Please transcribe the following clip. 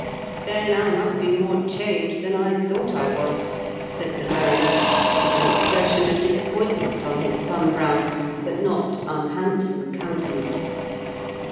"Then I must be more changed than I thought I was," said the mariner, with an expression of disappointment on his sun browned, but not unhandsome countenance.